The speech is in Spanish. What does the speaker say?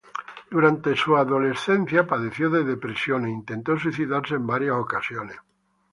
Durante su adolescencia, padeció de depresión e intentó suicidarse en varias ocasiones.